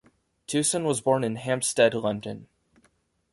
Tewson was born in Hampstead, London.